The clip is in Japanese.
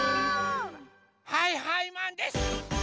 はいはいマンです！